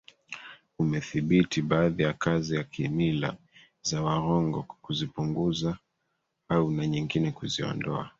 umedhibiti baadhi ya kazi za Kimila za Waghongo kwa kuzipunguza au na nyingine kuziondoa